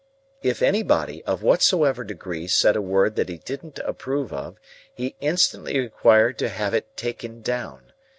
If anybody, of whatsoever degree, said a word that he didn't approve of, he instantly required to have it "taken down."